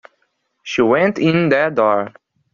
She went in that door.